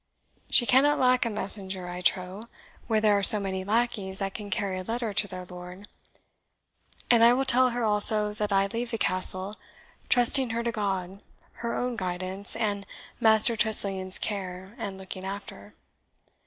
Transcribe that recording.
She cannot lack a messenger, I trow, where there are so many lackeys that can carry a letter to their lord. And I will tell her also that I leave the Castle, trusting her to God, her own guidance, and Master Tressilian's care and looking after.